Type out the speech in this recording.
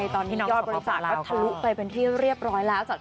ตอนนี้ยอดบริจาคก็ทะลุไปเป็นที่เรียบร้อยแล้ว